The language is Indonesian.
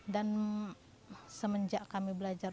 dan semenjak kami belajar